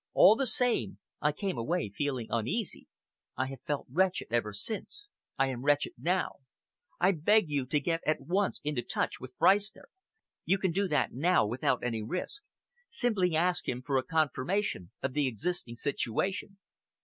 All the same, I came away feeling uneasy. I have felt wretched ever since. I am wretched now. I beg you to get at once into touch with Freistner. You can do that now without any risk. Simply ask him for a confirmation of the existing situation."